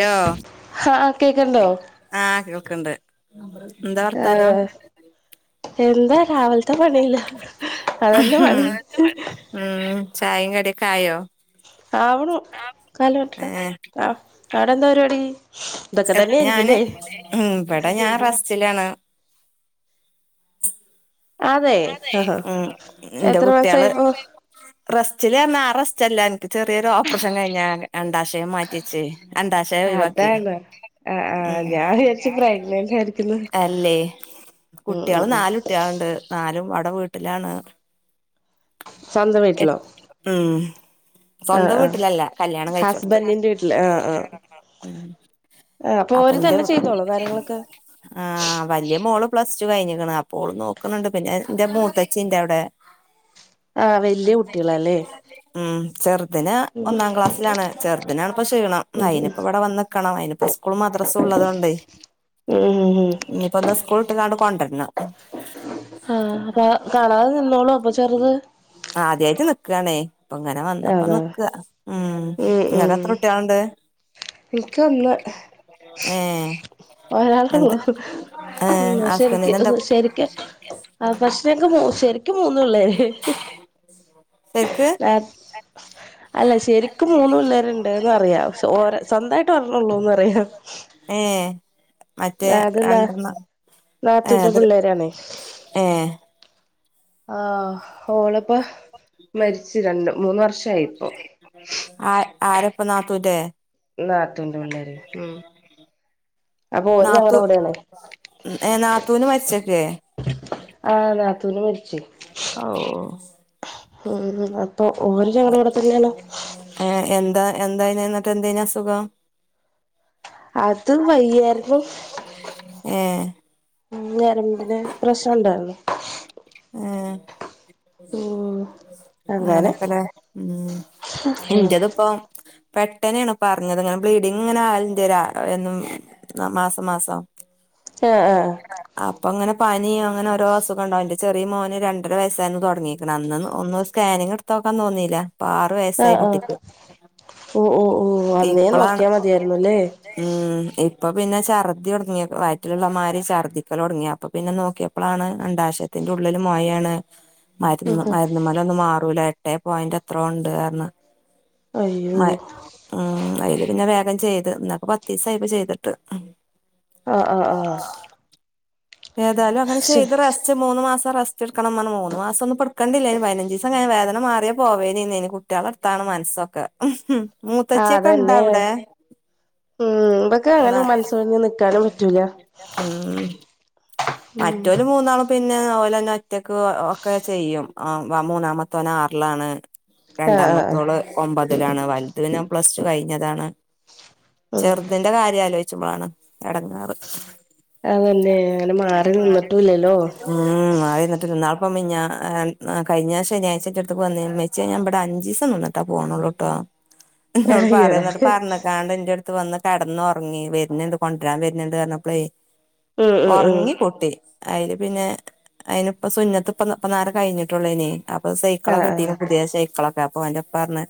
യൊ ഹാ കേക്ക്ണ്ടോ ആഹ് കേൾക്ക്ണ്ട് എന്താ വർത്താനം. ആഹ് എന്താ രാവിലത്തെ പണീല അത് തന്നെ പണി ഉം ചായേം കടിയൊക്കെ ആയോ ആവ്ണു കാല് മാറ്റടാ ഏഹ് ആഹ്, അവിടെ എന്താ പരിപാടി. ഇതൊക്കെ തന്നെ ആയിരിക്കും അല്ലേ ഇവിടെ ഞാൻ റസ്റ്റിലാണ് അതെ എന്റെ എത്ര കുട്ടികള് മാസായിപ്പോ റസ്റ്റിലായിരുന്നു ആ റസ്റ്റെല്ല എനിക്ക് ചെറിയ ഒരു ഓപ്റേഷൻ കഴിഞ്ഞാണ്. അണ്ടാശയം മാറ്റിച്ച് അണ്ടാശയം ഒഴിവാക്കി. അതാണ് ആഹ് ആഹ് ഉം ഞാൻ വിചാരിച്ച് പ്രഗ്നന്റ് ആയിരിക്കുന്ന് അല്ലേ ഉം ഉം കുട്ട്യാള് ഉം നാല് കുട്ട്യാൾണ്ട് നാലും അവടെ വീട്ടിലാണ് സ്വന്തം വീട്ടിലോ എട്ട് ഉം ആഹ് സ്വന്തം ആഹ് വീട്ടിലല്ല കല്യാണം കഴിച്ചോട്ത്ത് ഹസ്ബൻഡിന്റെ വീട്ടില് ആഹ് ആഹ് ആഹ് അപ്പൊ അപ്പ ഓര് തന്നെ ഇന്റെ ചെയ്തോളൊ കാര്യങ്ങളൊക്കെ ആഹ് വല്യ മോള് പ്ലസ് ടു കഴിഞ്ഞിക്ക്ണ് അപ്പൊ ഓള് നോക്ക്ണിണ്ട് പിന്നെ ഇന്റെ മൂത്തച്ചിണ്ട് അവ്ടെ ആഹ് വല്യ കുട്ട്യാളാല്ലേ ഉം ചെർതിന് ഒന്നാം ക്ലാസ്സിലാണ് ചെറുതിനാണ്പ്പം ക്ഷീണം ഉം അയ്നിപ്പവിടെ വന്ന് ക്കണം അയ്നിപ്പൊ സ്കൂളും മദ്രസുള്ളതോണ്ടേ ഉം ഉം ഉം ഉം ഇഞ്ഞി ഇപ്പൊ ഇന്ന് സ്കൂൾട്ട്കാണ്ട് കൊണ്ടര്ണം ആഹ് അപ്പൊ കാണാതെ നിന്നോളൊ അപ്പൊ ചെറുത് ആദ്യായിട്ട് നിക്കാണേ ഇപ്പങ്ങനെ വന്നപ്പോ അതാ നിക്ക ഉം ഇങ്ങക്കെത്ര കുട്ട്യാള്ണ്ട് ഇൻക്ക് ഒന്ന് ഏഹ് എന്ത് ഒരാളൊള്ളു ഏഹ് ഉം പക്ഷെ എനിക്ക് ഹസ്ബന്റിന് എന്താ ശെരിക്ക് ആഹ് പക്ഷെങ്കെ ശരിക്കും മൂന്ന് പിള്ളെര് ശെരിക്ക് അല്ല ശെരിക്ക് മൂന്ന് പിള്ളേരുണ്ട്ന്നറിയാ പക്ഷെ ഓരെ സ്വന്തായിട്ട് ഒരണൊള്ളൂന്നറിയാ ഏഹ് മറ്റേ ന രണ്ടെർണ്ണം ഏഹ് നാത്തൂന്റെ അത് പിള്ളേരാണേ ഏഹ് ആഹ് ഓളിപ്പം മരിച്ചു രണ്ട് മൂന്ന് വർഷ ആ ആരൊപ്പം നാത്തൂന്റെ നാത്തൂന്റെ പിള്ളേര് ഉം അപ്പൊ ഓര് നാത്തൂ ഞങ്ങടെ കൂടെയാണ് ഏഹ് നാത്തൂന് മരിച്ച്ക്കെ ആഹ് നാത്തൂന് മരിച്ച് ഔവൂ ഉം അപ്പൊ ഓരും ഞങ്ങടെ കൂടെ തന്നെണ് ഏഹ് എന്താ എന്തായ്ന്ന് ഇന്നിട്ട് എന്തെയ്നി അസുഖം അത് വയ്യാര്ന്നു ഏഹ് ഉം ഞരമ്പിന് പ്രശ്നംണ്ടേര്ന്നു ഏഹ് ഉം അങ്ങനെ അങ്ങനൊക്കലേ ഉം ഉം ഇന്റതിപ്പം പെട്ടനേണ് ഇപ്പർഞ്ഞത് ഇങ്ങനെ ബ്ലീഡിങ്ങ്ങ്ങനെ ആവൽണ്ട് ര എന്നും മാസം മാസം ഏഹ് ആഹ് ആഹ് അപ്പൊങ്ങനെ പനി അങ്ങനെ ഓരോ അസുഖണ്ടാവൽണ്ട് ഇന്റെ ചെറിയ മോന് രണ്ടര വയസ്സായന്ന തൊടങ്ങീക്ക്ണ് അന്ന് ഒന്ന് സ്കാനിങ്ങ് ഇട്ത്തോക്കാൻ തോന്നീല ഇപ്പ ആറു വയസായി ആഹ് ആഹ് കുട്ടിക്ക് ഓ ഓ ഓ അന്നേ ഇപ്പളാണ് നോക്കിയാ മതിയായിരുന്നുല്ലേ ഉം ഇപ്പൊ പിന്നെ ഛർദി തൊടങ്ങി വയ്റ്റില് ഇള്ളമാരി ഛർദ്ദി ക്കലൊട്ങ്ങിയെ അപ്പൊ പിന്നെ നോക്കിയപ്പളാണ് അണ്ടാശയത്തിന്റെ ഉള്ളില് മൊയേണ് മര് ഉം ഉം മരുന്നിമ ന്നോണ്ടൊന്നും മാറൂല എട്ടേ പോയിന്റ് എത്രോണ്ട്ർഞ്ഞ് അയ്യോ ഉം അയ്ല് പിന്നെ വേഗം ചെയ്ത് ഇന്നേക്ക് പത്തീസായിപ്പോ ചെയ്തിട്ട് ആഹ് ആഹ് ആഹ് ഏതായാലും അങ്ങനെ ശെ ചെയ്ത് റെസ് സ്റ്റ് മൂന്ന് മാസം റെസ്റ്റ് ഇട്ക്കണം പർഞ്ഞ് മൂന്ന് മാസൊന്നും ഇപ്പട്ക്കണ്ടില്ലേനി പയ്നഞ്ചീസം കയ്ഞ്ഞ വേദന മാറിയ പോവേനീന്നേനി കു കുട്ട്യാളെട്ത്താണ് മൻസ്സൊക്കെ ആഹ് മൂത്തച്ച്യൊക്കെ അതന്നെ ഇണ്ടവ്ടെ ഉം ഇമ്പക്കങ്ങനെ മനസ്സൊഴിഞ്ഞ് നിക്കാനും പറ്റൂല ഉം ഉം മറ്റോല് മൂന്നാളും പിന്നെ ഓലെന്നെ ഒറ്റക്ക് ഒക്കെ ചെയ്യും ആഹ് മൂന്നാമത്തോന് ആറിലാണ് ആഹ് ആഹ് ആഹ് രണ്ടാമത്തോള് ഒമ്പതിലാണ് വലുത് പിന്നെ പ്ലസ് ടു കഴിഞ്ഞതാണ് ഉം ചേർതിന്റെ കാര്യം ആലോചിച്ച്മ്പാളാണ് എടങ്ങാറ് അതന്നെ അങ്ങനെ മാറി നിന്നിട്ടുംല്ലല്ലോ മം മാറിന്നിട്ട് ല്ല. ന്നാളപ്പം മിനിഞ്ഞാ കയിഞ്ഞ ശനിയായ്ച്ച ൻ്റെ അടുത്ത്ക്ക് വന്ന്ന്ന് ഇമ്മച്ച്യ ഞ്ഞാ വേടെ അഞ്ചി സം നിന്നിട്ടു പോണുള്ളൂ ട്ടോ ന്നോട് പറയ അയ്യടാ ന്നട്ട് പറഞ്ഞ്ക്കാണ്ട് ന്റെടുത്ത് വന്ന് കടന്ന് ഒറങ്ങി. വര്ന്ണ്ട്, കൊണ്ട്രാൻ വര്ന്ണ്ട് പറഞ്ഞപ്പളേ ഉം ഉം ഉം ഒറങ്ങി കുട്ടി അയില് പിന്നെ. അയിനിപ്പോ സുന്നത്തിപ്പോ ഇപ്പനേരേ കഴിഞ്ഞിട്ടുള്ളൂ ന്നേ. അപ്പൊ ആഹ് സൈക്കിളൊക്കെ കിട്ടി. ആഹ് പുതിയ സൈക്കിളൊക്കെ. അപ്പൊ ഒന്റെുപ്പാ പറഞ്ഞ്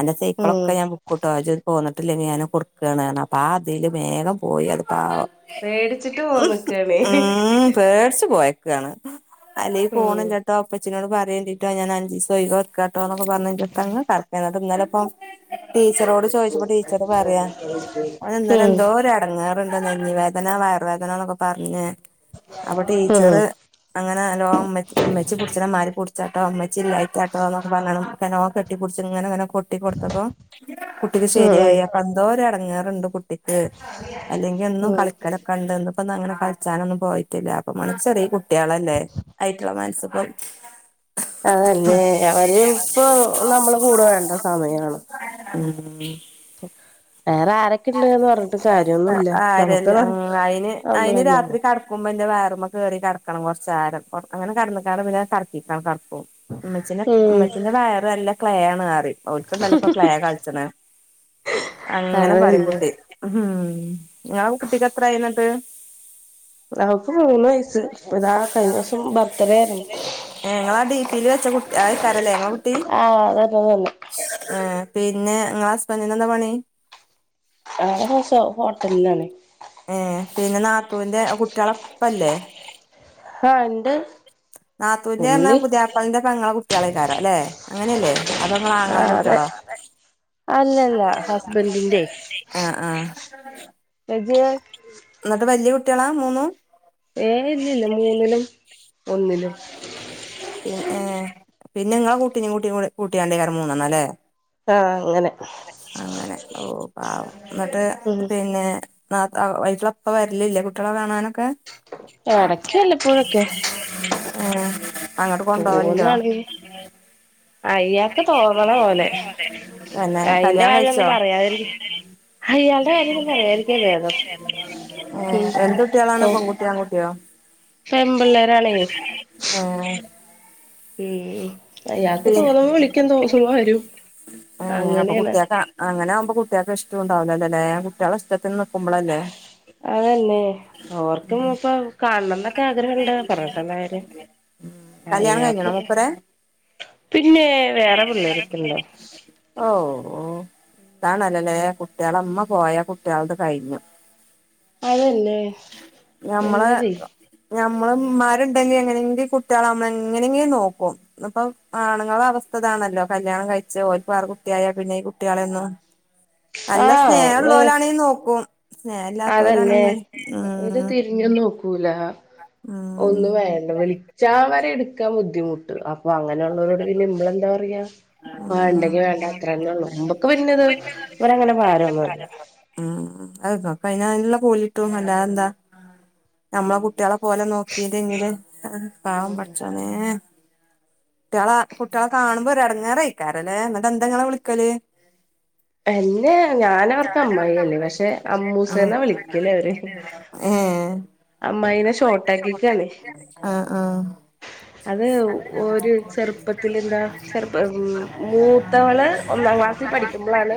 അന്റെ ഉം സൈക്കളൊക്കെ ഞാൻ വിക്കും ട്ടോ ഇജ് ങ്ങട്ട് പോന്ന്ട്ട് വീയ കൊടുക്കാനാണ്. അപ്പൊ ആ അതില് വേഗം പോയി അത് പാവം. പേടിച്ചിട്ട് വന്ന് നിക്കാണേ ഉ പേടിച്ച് പോയക്കാണ്. അല്ലെങ്കി ഉം ഫോണില്ല ട്ടോ സ്സ്നോട് പറയേണ്ടിട്ടോ, ഞാനാഞ്ചിസം ഒഴിവാക്കട്ടോ. ന്നൊക്കെ പറഞ്ഞ് ന്റെട്ത്ത്ങ്ങാനേ കടക്കേന്നു ഇന്നാലെപ്പം ടീച്ചറോട് ചോദിച്ചപ്പോ ടീച്ചറ് പറയാ. ഓന് ഇന്നലെ ഉം എന്തോര് ഇറങ്ങാറുണ്ട്. നെഞ്ച്. വേദന വയറ് വേദന എന്നൊക്കെ പറഞ്ഞേ. അപ്പൊ ഉം ടീച്ചറ് അങ്ങനെ ഉമ്മ ഉമ്മച്ചി കുടിപ്പിക്കണ മാതിരി പിടിച്ച് കുടിച്ചോട്ടോ. ഉമ്മച്ചി ഇല്ലാഞ്ഞിട്ടാ ട്ടോ പറഞ്ഞപ്പോ കുട്ടി കുടച്ച് ഇങ്ങനെ അങ്ങനെ കൊട്ടി കൊടുത്തപ്പോ കുട്ടിക്ക് ഉം ഉം ശരിയായി അപ്പം എന്തോര് എടങ്ങാറുണ്ട് കുട്ടിക്ക് അല്ലെങ്കി എന്നും ഉം കളിക്കലൊക്കെ ഉണ്ട്. ഇന്ന് പ്പം അങ്ങനെ കളിച്ചാനൊന്നും പോയിട്ടില്ല. അപ്പൊ ചെറിയ കുട്ട്യളല്ലേ. അയിറ്റ്ങ്ങളെ മനസ്സിപ്പ അതന്നെ അവര് ഇപ്പൊ അതിപ്പോ നമ്മള് കൂടെ വേണ്ട സമയാണ് നമ്മള് ഉം വേറെ ആരൊക്കെണ്ട്ന്ന് പറഞ്ഞിട്ട് കാര്യൊന്നുല്ല നമുക്ക് അറിയില്ല. അന് അയിന് നമ്മളെന്നാണ് രാത്രി കിടക്കുമ്പോന്റെ വയറുമ്മ കേറി കടക്കണം. കോറച്ചരം. കോറച്ചരം കടന്നക്കാണ്ട് പിന്നെ താഴത്തങ്ങിറങ്ങി കടക്കും ഉമ്മച്ചിന്റെ, ഉം ഉമ്മച്ചിന്റെ വയറ് നല്ല ക്ലയാണ് എന്ന് പറയും ഓല്ക്ക് ണ്ടല്ലപ്പോ ക്ലേ കളിച്ചണ അങ്ങനെ പറയും അതന്നെ കുട്ടി ങ്ങളെ കുട്ടിക്ക് എത്ര ആയി ന്നിട്ട്. അവക്ക് മൂന്ന് വയസ്സ്. ഇതാ കഴിഞ്ഞ ദിവസം ബർത്ത്ഡേ ആയിരുന്നു. നിങ്ങൾ ആ ഡി പി യിൽ വെച്ച കുട്ടി ആയിരിക്കു അല്ലേ ആഹ് അതന്നെ അത് തന്നെ ആ പിന്നെ നിങ്ങളെ ഹസ്ബൻറിന് എന്താ പണി. ആ ഹോട്ടലിലാണ് ഏ പിന്നെ നാത്തൂവിന്റെ കുട്ടികളൊപ്പല്ലേ ആ ഇണ്ട് നാത്തൂന്റെ ന്ന്റഞ പുള്ളി പുതിയാപ്പ്ലാന്റെ പെങ്ങളെ കുട്ടിളേക്കാരം ല്ലെ അങ്ങനെല്ലേ അതോ ങ്ങളെ ആങ്ങളേ ആഹ് ന്റെ അതെ കുട്ട്യളോ അല്ലല്ല ഹസ്ബൻറിന്റെ ആ ആഹ ന്നിട്ട് വല്ല്യ കുട്ട്യാള മൂന്നും ഏ ഇല്ലില്ല. മൂന്നിലും, ഒന്നിലും. പിന്നെ പിന്നെ ങ്ങളെ കുട്ടീനും കൂടി കൂട്ടിയാണ്ട്ക്കാര മൂന്നണ്ണം ല്ലേ. ആഹ അങ്ങനെ അങ്ങനെ ഓ ആ ന്നിട്ട് ഉം പിന്നെ നാത്തൂ ഒക്കെ വരലില്ലേ കുട്ടികളെ കാണാനൊക്കെ. എടയ്ക്കുവല്ലപ്പോഴൊക്കെ. ഉം അങ്ങോട്ട് കൊണ്ട് വലുണ്ടോ അയാക്ക് തോന്നണ പോലെ തന്നെ അയിന്റെ കല്യാണം കഴിച്ചോ കാര്യൊന്നും പറയാതിരി അയാളുടെ കാര്യൊന്നും പറയാതിരിക്കാ ഭേദം ഏ ഉം എന്ത് കുട്ട്യളാണ്. പെകുട്ട്യോ ആകുട്ടിയോ [inaudible] പെൺപിള്ളേരാണേ ഏഹ്. ഉം അയാക്ക് തോന്ന്മ്പം വിളിക്കും തോന്ന്മ്പ വരും. ഏഹ് അപ്പൊ അങ്ങനെയാണ് കുട്ട്യാക്ക അങ്ങനാവുമ്പ കുട്ട്യാക്ക് ഇഷ്ട്ടോണ്ടാവുലല്ലല്ലേ കുട്ട്യാളെ ഇഷ്ടത്തിന് നിക്കുമ്പളല്ലേ. അതന്നെ ഓർക്ക്പ്പൊ കാണണംന്നൊക്കെ ആഗ്രഹണ്ട് പറഞ്ഞിട്ടെന്താ കാര്യം കല്യാണം അയ്യാക്ക് കഴിഞ്ഞണോ മൂപ്പരെ പ്പ പിന്നേ വേറെ പിള്ളേരക്കണ്ടോ ഓഹ് ഓഹ്. ഇതാണല്ലല്ലേ കുട്ട്യാളമ്മ പോയാ കുട്ട്യാളത് കഴിഞ്ഞു. അതന്നെ ഞമ്മളെ. എന്താ ചെയ്യ ഞമ്മള്മ്മാര്ണ്ടെങ്കി എങ്ങനെങ്കി കുട്ട്യാള മ്മളെ എങ്ങനെങ്കി നോക്കും. ഇന്ന്പ്പൊ ആണുങ്ങള അവസ്ഥതാണല്ലോ കല്യാണം കഴിച്ച ഓൽ വേറ കുട്ടിയായ പിന്നെ ഈ കുട്ട്യാളെന്നും നല്ല ആഹ് വേ സ്നേഹൊള്ളോലാണെ നോക്കും. അതന്നെ സ്നഹല്ലാത്തോലാണെങ്കി ഉം [unintelligible] നോക്കൂല ഉം ഒന്നും വേണ്ട വിളിച്ചാവരെട്ക്കാൻ ബുദ്ധിമുട്ട് അ പ്പൊ അങ്ങനെയുള്ളോരോട് പിന്നെമ്മളന്ത പറയാ. ഉം ഉം വാണ്ടെങ്കി വാണ്ട അത്രന്നെ ഉള്ളൂ മ്പക്ക് പിന്നത് ഇവരങ്ങനെ ഭാരൊന്നുല്ല. ഉം അഹ്പ്പൊ അയ്ന് നല്ല കൂലിട്ടും അല്ലാതെന്താ നമ്മളെ കുട്ട്യാള പോലെ നോക്കിയില്ലെങ്കില് പാവം പടച്ചോനേ കുട്ട്യാളാ കുട്ട്യാള കാണുമ്പോ ഒരട്ങ്ങേറയ്ക്കാരല്ലേ ന്ന്ട്ടന്താങ്ങളെ വിളിക്കല് എന്നെ ഞാനവർക്ക് അമ്മായിഅല്ലേ പക്ഷെ ആഹ് അമ്മൂസേന്നാ വിളിക്കല് അവര് അമ്മായിനെ ഏഹ് ഷോർട്ടാക്കിക്കാണ് ആഹ് ആഹ് ചെറുപ്പത്തിലെന്താ ചെറുപ്പ ഉം മൂത്തവള് ഒന്നാം ക്ലാസ്സിൽ പഠിക്കുമ്പളാണ്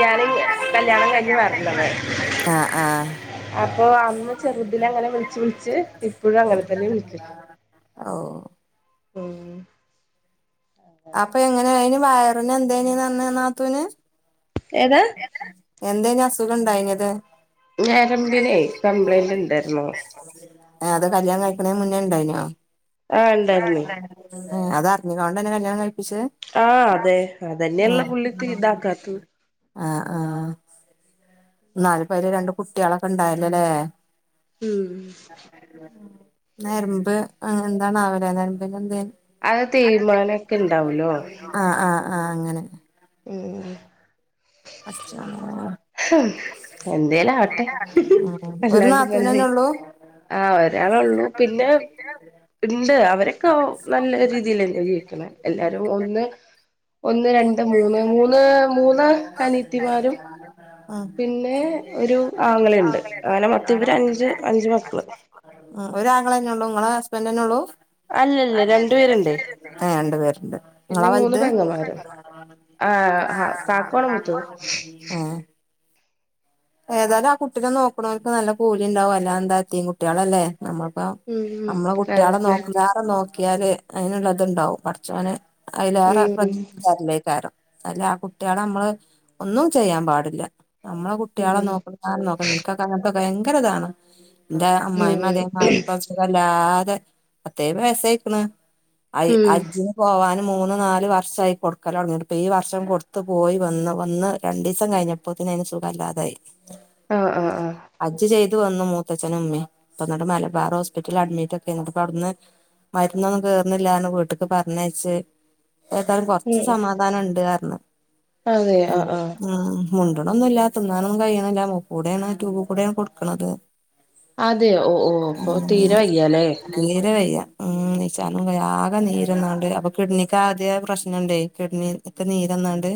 ഞാന് കല്യാണംകഴിഞ്ഞ് വര്ണത് ആഹ് ആഹ് അപ്പൊ അന്ന് ചെറുതിലങ്ങനെ വിളിച്ച് വിളിച്ച് ഇപ്പൊഴും അങ്ങനെതന്നെ വിളിക്കും ഔഹ് ഉം അപ്പൊ എങ്ങനെ അയിന് വയറിനന്തേനിനർന് നാത്തൂന് ഏതാ എന്തേന് അസുഖം ഇണ്ടായിനത് ഞരംമ്പിനെ കംപ്ലൈന്റ് ണ്ടാര്ന്നു. ഏഹ് അത് കല്യാണം കഴിക്കണേന് മുന്നേഇണ്ടായിനോ. ആഹ് ആഹ് ഉണ്ടായിരുന്നേ ണ്ടായ്ന്ന് അത് അറിഞ്ങ്ങോണ്ടന്നെ കല്യാണം കഴിപ്പിച്ച് ആഹ് അതെ അതന്നെയള്ളേ പുള്ളിത്തിതാക്കാത്ത്. ആഹ് ആഹ്. ന്നാലുപ്പയ്ല് രണ്ട് കുട്ട്യാളൊക്കെ ഉണ്ടായല്ലോല്ലേ ഉം. നരമ്പ് എന്തണാവലെ നരമ്പിന് എന്തെ അയ് തേയ്മാനൊക്കെ ഇണ്ടാവുല്ലോ. ആഹ് ആഹ് ആഹ് അങ്ങനെ. ഉം പട്ച്ചോനേ. എന്തേലും ആവട്ടെ ഉം ഒരു അല്ലാണ്ട് ഇപ്പ എന്ത നാത്തൂനന്നെ ഉള്ളൂ. ആഹ് ഒരാളൊള്ളു പിന്നേ ഇണ്ട് അവരൊകോ നല്ല രീതിലന്നെ ജീവിക്ക്ണ് എല്ലാരു ഒന്ന് ഒന്ന് രണ്ട് മൂന്ന് മൂന്ന് മൂന്ന്. അനിയത്തിമാരും [unintelligible] പിന്നെ ഒരു ആങ്ങളീണ്ട് ആനെമൊത്തം ഇവര് അഞ്ച് അഞ്ച് മക്കള്. ഉം ഒരാങ്ങെളെന്നെ ഉള്ളൂ ഇങ്ങളെ ഹസ്ബൻഡന്നെ ഉള്ളൂ. രണ്ടു അല്ലല്ല രണ്ട് പേരുണ്ടേ പേരുണ്ട്. ഏ രണ്ട് പേരുണ്ട് ഇങ്ങളാ വൽത്. ആഹ് ഹ കാക്കുആ [unintelligible] ഉം ഏതായാലും ആഹ് കുട്ടിനെ നോക്ണോൽക്ക് നല്ല കൂലിണ്ടാവും അല്ലാതെന്ത യതീം കുട്ട്യാളല്ലെ ഞമ്മൾപ്പൊ ഉം ഉം മ്മള കുട്ട്യാള അതന്നെ നോക്കണീലേറെ നോക് നോക്കിയാല് അതിനുള്ളത്ണ്ടാവും പടച്ചോന് അതിലേറെ ഉം [unintelligible] കാരം അല്ല ആഹ് കുട്ട്യാള അമ്മള് ഒന്നും ചെയ്യാൻ പാടില്ല നമ്മളെ കുട്ട്യാള ഉം നോക്ക്- നോക്ക്ണ ഇൻകൊക്ക അങ്ങൻത്ത ഭയങ്കരതാണ് ഇന്റെ അമ്മായ്മ്മ ഇതേ മാരി ഉം സുഖല്ലാതെ പത്തയ്ബത് വയസ്സയ്ക്ക്ണ് അയ് ഉം അജ്ജിന് പോവാന് മൂന്ന് നാല് വർഷായി കൊട്ക്കലൊട്ങ്ങീട്ട് ഇപ്പ ഈ വർഷം കൊടുത്ത് പോയി വന്ന് വന്ന് രണ്ടീസം കഴ്ഞ്ഞ അപ്പത്തിന് അയ്ന് സുഖല്ലാതായി ആഹ് ആഹ് ആഹ് അജ്ജ് ചെയ്ത് വന്ന് മൂത്തച്ഛനും ഇമ്മീം ഇപ്പ ഇന്ന്ട്ട് മലബാർ ഹോസ്പിറ്റലി അഡ്മിറ്റൊക്കെർണ് ഇന്ന്ട്ട്പ അവ്ട്ന്ന് മരുന്നൊന്നും കേറ്ണില്ലാർഞ് വീട്ട്ക്ക് പറഞ്ഞയച്ച് ഏതായാലും കൊറ്ച്ച് ഉം സമാധാന ഇണ്ട് അർഞ്ഞ് അതെ ആ ആ മുണ്ട്ണൊന്നില്ലാ തിന്നാനൊന്നും കയ്യ്ണില്ല മൂക്ക് കൂടേണ് ട്യൂബു കൂടേണ് കൊട്ക്ക്ണത് അതെ ഓഹ് ഓഹ് ഇപ്പൊ തീരെ വയ്യാലേ തീരെ വയ്യ ഉം നിചാനും ക ആകെ നീരന്നാണ്ട് അപ്പൊ കിഡ്നിക്കാദ്യേ പ്രശ്നണ്ടെ കിഡ്നി ഇപ്പ നീരെന്നാണ്ട്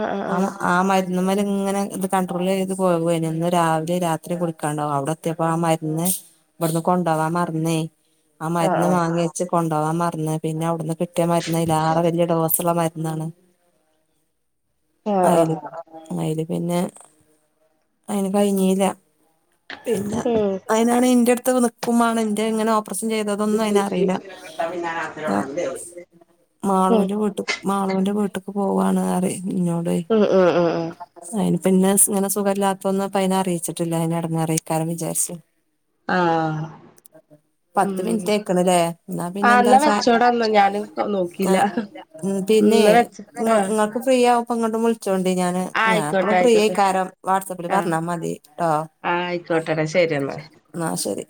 ആഹ് ആഹ് ആഹ് ആഹ് മരുന്നമ്മല് ഇങ്ങന ഇത് കണ്ട്രോളീത് പോവേന് ഇന്ന് രാവിലെ രാത്രി കുടിക്കാണ്ടാവും അവടെ എത്തീപ്പൊ ആഹ് മര്ന്ന് ഇവിടുന്ന് കൊണ്ടോവ മർന്നൊയ് ആഹ് ആ മര്ന്ന് ആ വാങ്ങി വെച്ച് കൊണ്ടോവാൻ മറ്ന്ന് പിന്ന അവ്ടുന്ന് കിട്ടിയ മരുന്ന് അയ്ലേറെ വല്യ ഡോസ്ള്ള മര്ന്നാണ് ആ ആ അയില് അയില് പിന്ന അയ്ന് കഴിഞ്ഞീല പിന്ന ഉം അയിനാണെ ഇന്റട്ത്ത് നിക്കും മാണം ഇന്റ ഇങ്ങന - ഓപ്രഷം ചെയ്തതൊന്നും ഉം അയ്നറീല ഞ മാളൂന്റ വീട്ട് മാളുന്റ വീട്ട്ക്ക് പോവാണ് അറിം ഇന്നോടെ ഉം ഉം ഉം അയിന് പിന്ന ഇങ്ങന സുഖല്ലാത്തതൊന്ന് അപ്പ അയിനെ അറീച്ചിട്ടില്ല അയ്നെ എടങ്ങേറേക്കാരം വിചാരിച്ച് ആഹ് പത്ത് മിനിറ്റയ്ക്ക്ണ്ലേ ന്നാ ആഹ് എന്നാ പിന്നെന്താച്ച വെച്ചോടന്നാ ഞാന് നോക്കിയില്ല ആഹ് ഉം പിന്നെ എന്നാ വെച്ച ആഹ് ഇങ്ങക്ക് ഫ്രീ ആവുമ്പൊ ഇങ്ങ്ട്ടും വുൾച്ചോണ്ടി ഞാന് ഞാ ആയിക്കോട്ടെ എപ്പളും ആയിക്കോട്ടെ ഫ്രീയെയ്ക്കാരം വാട്സപ്പില് ആഹ് പറ്ഞ്ഞാ മതി ട്ടോ ആയിക്കോട്ടെടാ ശരി എന്നാ ഇന്നാ ശരി